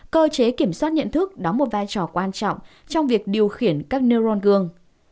cái kiểm soát nhận thức đóng một vai trò quan trọng trong việc điều khiển các neuron gương